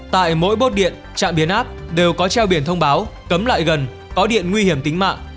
tại mỗi bốt điện trạm biến áp đều có treo biển thông báo cấm lại gần có điện nguy hiểm tính mạng